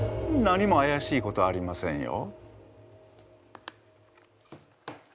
何もあやしいことはありませんよ。